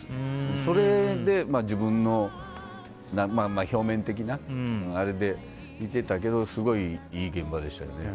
それで自分の表面的なあれでいてたけどすごいいい結果でしたよね。